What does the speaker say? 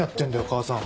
母さん。